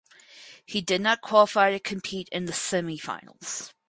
He did not qualify to compete in the semifinals.